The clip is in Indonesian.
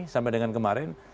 sampai dengan kemarin